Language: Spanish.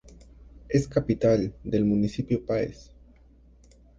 Es capital del Municipio Páez.